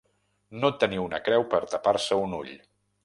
No tenir una creu per tapar-se un ull.